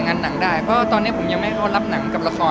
เพราะตอนนี้ผมยังไม่ก็รับหนังกับละคร